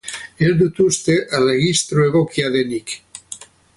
Ez dut uste erregistro egokia denik.